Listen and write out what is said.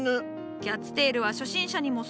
キャッツテールは初心者にも育てやすい。